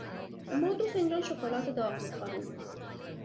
ما دو فنجان شکلات داغ می خواهیم.